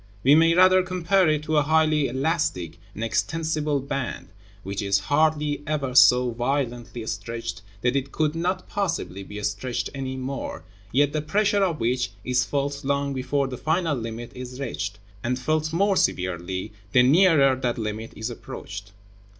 We may rather compare it to a highly elastic and extensible band, which is hardly ever so violently stretched that it could not possibly be stretched any more, yet the pressure of which is felt long before the final limit is reached, and felt more severely the nearer that limit is approached.